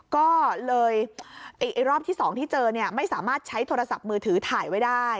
ก็เลยรอบที่๒ที่เจอเนี่ยไม่สามารถใช้โทรศัพท์มือถือถ่ายไว้ได้